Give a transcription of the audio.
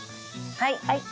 はい。